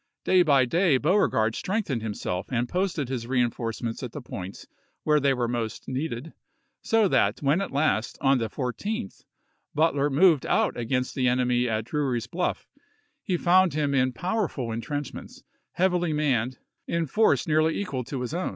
Day by day Beauregard strengthened himself and posted his reenforcements at the points where they were most needed, so that when at last, on the 14th, Butler moved out against the enemy at Drew ry's Bluff, he found him in powerful intrenchments, heavily manned, in force nearly equal to his own.